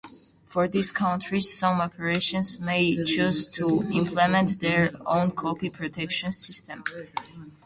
For these countries, some operators may choose to implement their own copy protection system.